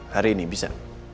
hari ini bisa